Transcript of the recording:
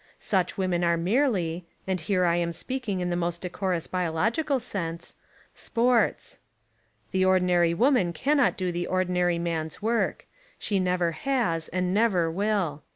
Such women are merely — and here I am speaking in the most decorous biological sense, — "sports." The ordinary woman cannot do the ordinary man's work. She never has and never will.